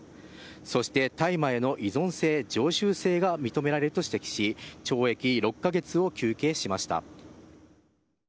そして大麻への依存性、常習性が認められると指摘し、懲役６か月を求刑しました。